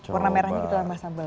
warna merahnya kita tambah sambal